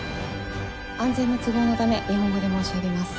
安全の都合のため日本語で申し上げます。